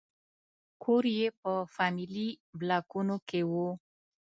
کور یې په فامیلي بلاکونو کې و.